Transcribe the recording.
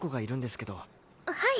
はい。